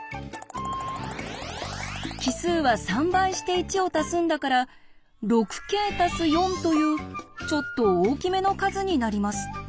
奇数は３倍して１をたすんだから「６ｋ＋４」というちょっと大きめの数になります。